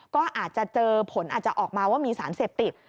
ก็อาจจะเจอผลอาจจะออกมาว่ามีสารเสพติด